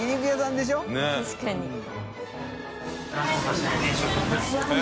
確かに。